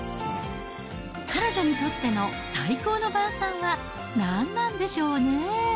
彼女にとっての最高の晩さんは、何なんでしょうね。